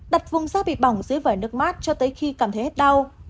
đặt vùng da bị bỏng dưới vải nước mát cho tới khi cảm thấy hết đau